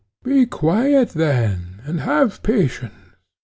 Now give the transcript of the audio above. Be quiet, then, and have patience.